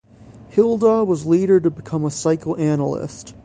Hilda was later to become a psychoanalyst.